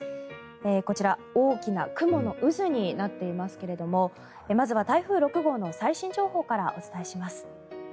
こちら大きな雲の渦になっていますがまずは台風６号の最新情報からお伝えします。